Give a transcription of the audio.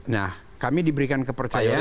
nah kami diberikan kepercayaan